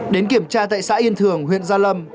đến kiểm tra tại xã yên thường huyện gia lâm